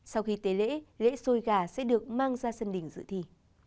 sau khi tới lễ lễ xôi gà sẽ được mang ra sân đỉnh giữ thi